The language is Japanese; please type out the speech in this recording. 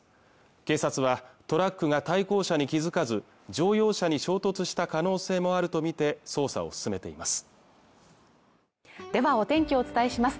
警察はトラックが対向車に気付かず乗用車に衝突した可能性もあると見て捜査を進めていますではお天気をお伝えします